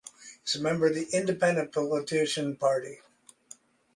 He is member of the Independent politician party.